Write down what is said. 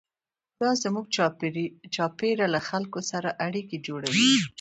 دا زموږ چارچاپېره له خلکو سره اړیکې جوړوي.